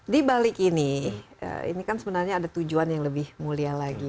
di balik ini ini kan sebenarnya ada tujuan yang lebih mulia lagi